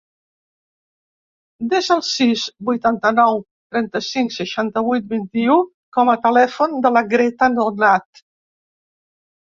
Desa el sis, vuitanta-nou, trenta-cinc, seixanta-vuit, vint-i-u com a telèfon de la Greta Donat.